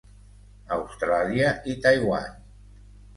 Austràlia i Taiwan.